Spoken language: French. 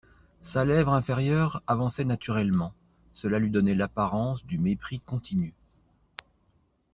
Sa lèvre inférieure avançait naturellement: cela lui donnait l'apparence du mépris continu.